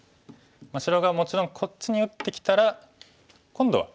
白がもちろんこっちに打ってきたら今度は。